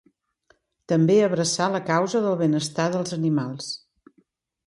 També abraçà la causa del benestar dels animals.